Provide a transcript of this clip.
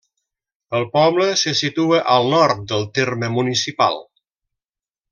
El poble se situa al nord del terme municipal.